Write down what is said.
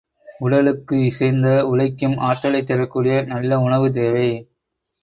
உடலுக்கு இசைந்த உழைக்கும் ஆற்றலைத் தரக்கூடிய நல்ல உணவு தேவை.